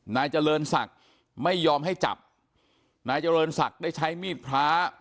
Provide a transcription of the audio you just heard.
นายเจริญศักดิ์ไม่ยอมให้จับนายเจริญศักดิ์ได้ใช้มีดพระ